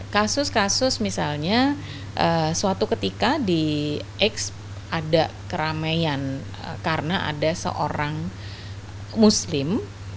kasus kasus misalnya suatu ketika di x ada keramaian karena ada seorang muslim